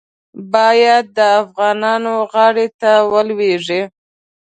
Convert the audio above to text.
باید د افغانانو غاړې ته ولوېږي.